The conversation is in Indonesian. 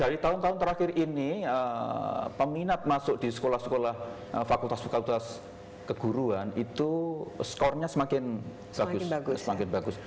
dari tahun tahun terakhir ini peminat masuk di sekolah sekolah fakultas fakultas keguruan itu skornya semakin bagus